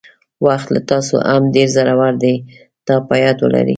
وخت له تاسو هم ډېر زړور دی دا په یاد ولرئ.